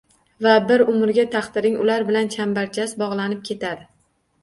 Va bir umrga taqdiring ular bilan chambarchas bog‘lanib ketadi…